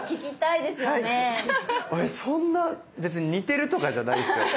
俺そんな別に似てるとかじゃないんですよ。